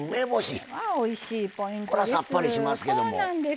おいしいポイントです。